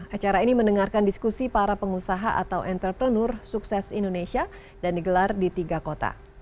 acara ini mendengarkan diskusi para pengusaha atau entrepreneur sukses indonesia dan digelar di tiga kota